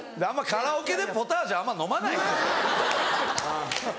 カラオケでポタージュあんま飲まないですよ。